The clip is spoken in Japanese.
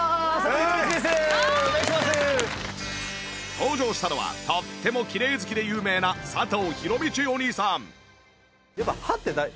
登場したのはとってもきれい好きで有名な佐藤弘道お兄さん！